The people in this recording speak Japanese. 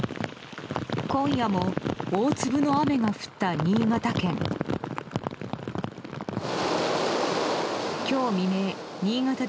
今夜も大粒の雨が降った新潟県。